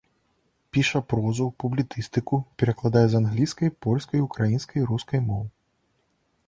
Піша прозу, публіцыстыку, перакладае з англійскай, польскай, украінскай, рускай моў.